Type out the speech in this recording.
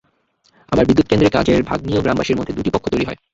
আবার বিদ্যুৎকেন্দ্রের কাজের ভাগ নিয়েও গ্রামবাসীর মধ্যে দুটি পক্ষ তৈরি হয়।